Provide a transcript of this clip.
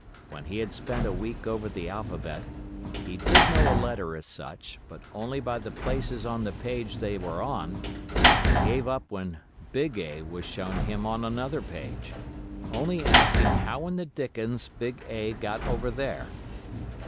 When he had spent a week over the alphabet, he did know a letter as such, but only by the places on the page they were on, and gave up when "big A" was shown him on another page, only asking how in the dickens "big A" got over there.